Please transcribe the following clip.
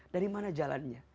dari mana jalannya